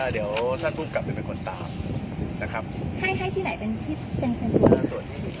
อ่าเดี๋ยวท่านภูมิกลับไปเป็นคนตามนะครับให้ให้ที่ไหนเป็นที่